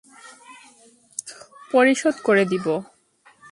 পরিশোধ করে দিব।